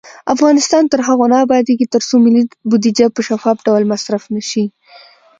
افغانستان تر هغو نه ابادیږي، ترڅو ملي بودیجه په شفاف ډول مصرف نشي.